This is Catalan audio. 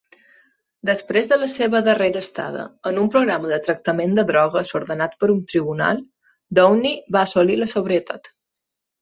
Després de la seva darrera estada en un programa de tractament de drogues ordenat pe un tribunal, Downey va assolir la sobrietat.